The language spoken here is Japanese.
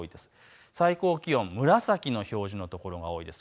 最高気温、紫の表示の所が多いです。